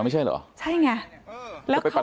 เมื่อเวลาอันดับ